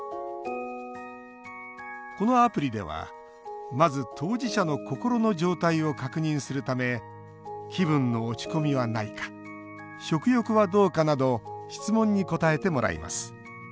このアプリでは、まず当事者の心の状態を確認するため気分の落ち込みはないか食欲はどうかなど質問に答えてもらいます。